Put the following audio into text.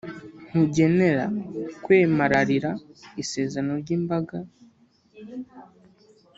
nkugenera kwemararira isezerano ry’imbaga,